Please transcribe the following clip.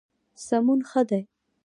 سمون ښه دی.